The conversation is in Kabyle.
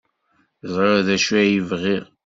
Ẓriɣ d acu ay bɣiɣ.